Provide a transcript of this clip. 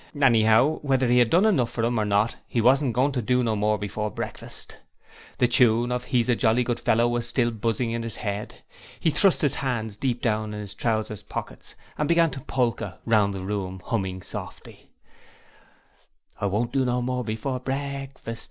Anyhow, whether he had done enough for 'em or not he wasn't goin' to do no more before breakfast. The tune of 'He's a jolly good fellow' was still buzzing in his head; he thrust his hands deep down in his trouser pockets, and began to polka round the room, humming softly: 'I won't do no more before breakfast!